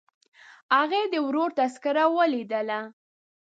هغې د ورور تذکره ولیدله.